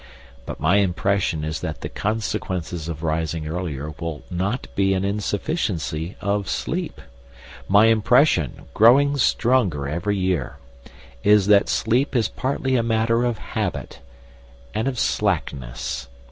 But my impression is that the consequences of rising earlier will not be an insufficiency of sleep. My impression, growing stronger every year, is that sleep is partly a matter of habit and of slackness.